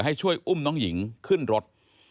ให้ช่วยอุ้มน้องหญิงขึ้นรถ